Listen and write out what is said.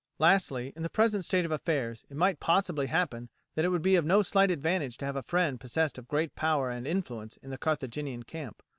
Lastly, in the present state of affairs it might possibly happen that it would be of no slight advantage to have a friend possessed of great power and influence in the Carthaginian camp.